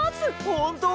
ほんと？